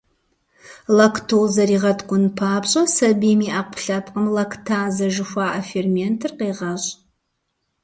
Лактозэр игъэткӀун папщӀэ, сабийм и Ӏэпкълъэпкъым лактазэ жыхуаӀэ ферментыр къегъэщӀ.